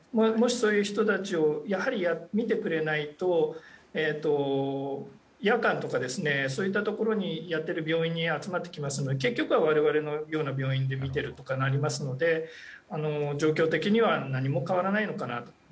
もしそういう人たちを診てくれないと夜間とか、そういう時にやっている病院に集まってきますので結局は我々のような病院で診ていることになりますので状況的には何も変わらないのかなと。